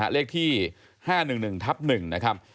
เลขที่๕๑๑ทับ๑